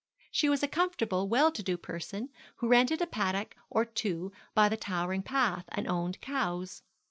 She was a comfortable, well to do person, who rented a paddock or two by the towing path, and owned cows.